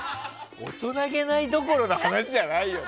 大人げないどころの話じゃないよね。